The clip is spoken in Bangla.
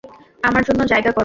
আমার জন্য জায়গা কর!